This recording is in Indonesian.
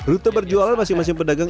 rute berjualan masing masing pedagang